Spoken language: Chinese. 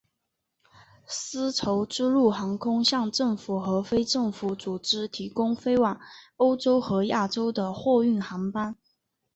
丝绸之路航空向政府和非政府组织提供飞往欧洲和亚洲的货运航班。